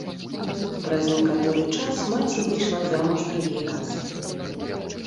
Праз некаторы час маці выйшла замуж другі раз.